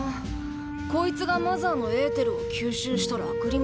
こいつがマザーのエーテルを吸収した星水晶か。